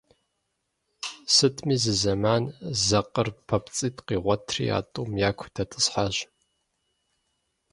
Сытми зызэман зэ къыр папцӀитӀ къигъуэтри, а тӀум яку дэтӀысхьащ.